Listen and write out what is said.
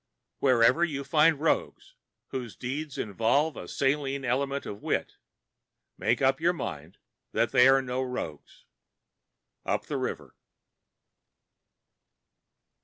Wherever you find rogues whose deeds involve a saline element of wit, make up your mind that they are no rogues.—Up the River.